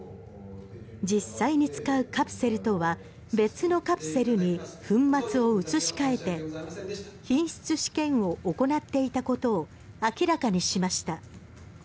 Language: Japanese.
実際に使うカプセルとは別のカプセルに粉末を移し変えて品質試験を行っていたことを明らかにしました。